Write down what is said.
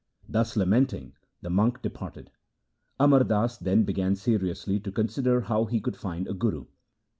Thus lamenting the monk departed. Amar Das then began seriously to con sider how he could find a guru.